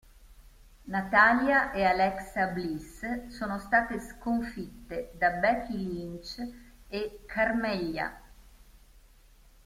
Natalya e Alexa Bliss sono state sconfitte da Becky Lynch e Carmella.